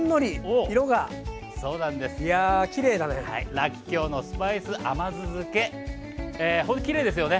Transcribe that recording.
らっきょうのスパイス甘酢漬けほんときれいですよね。